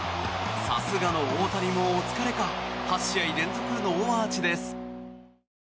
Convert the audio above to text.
さすがの大谷もお疲れか８試合連続ノーアーチです。